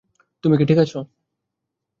তুমি কি ঠিক আছ?